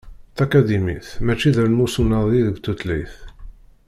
Takadimit mačči d almus unadi deg tutlayt.